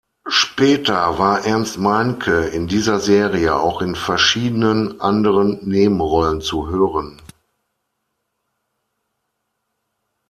Später war Ernst Meincke in dieser Serie auch in verschiedenen anderen Nebenrollen zu hören.